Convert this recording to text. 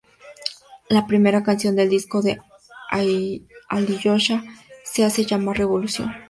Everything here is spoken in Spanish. La primera canción del disco de Alyosha se hace llamar "Revolution".